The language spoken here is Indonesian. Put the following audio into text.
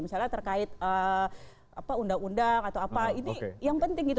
misalnya terkait undang undang atau apa ini yang penting gitu